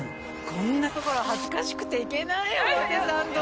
こんなところ恥ずかしくて行けない表参道